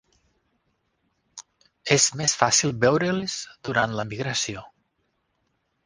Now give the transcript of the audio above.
És més fàcil veure-les durant la migració.